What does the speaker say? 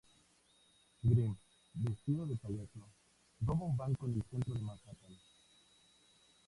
Grimm, vestido de payaso, roba un banco en el centro de Manhattan.